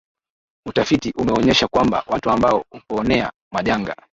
Utafiti umeonyesha kwamba watu ambao huponea majanga